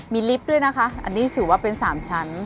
มีลิฟต์ด้วยนะคะอันนี้ถือว่าเป็น๓ชั้น